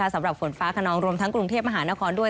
สำหรับฝนฟ้าขนองรวมทั้งกรุงเทพมหานครด้วย